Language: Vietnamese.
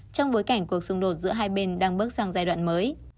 trong bối cảnh cuộc xung đột giữa hai bên đang bước sang giai đoạn mới